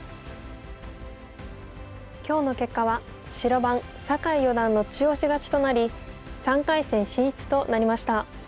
今日の結果は白番酒井四段の中押し勝ちとなり３回戦進出となりました。